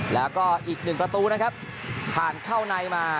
แล้วก็อีกหนึ่งประตูนะครับผ่านเข้าในมา